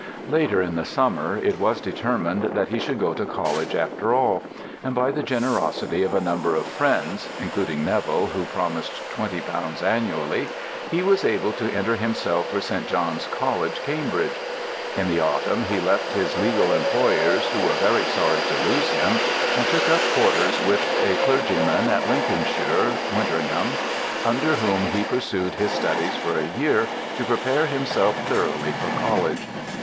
Later in the summer it was determined that he should go to college after all; and by the generosity of a number of friends (including Neville who promised twenty pounds annually) he was able to enter himself for St. John's College, Cambridge. In the autumn he left his legal employers, who were very sorry to lose him, and took up quarters with a clergyman in Lincolnshire (Winteringham) under whom he pursued his studies for a year, to prepare himself thoroughly for college.